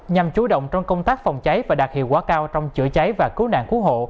nhằm chú động trong công tác phòng cháy và đạt hiệu quả cao trong chữa cháy và cứu nạn cứu hộ